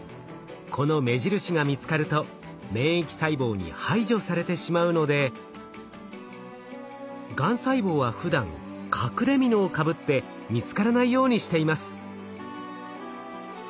この目印が見つかると免疫細胞に排除されてしまうのでがん細胞はふだん隠れみのをかぶって見つからないようにしています。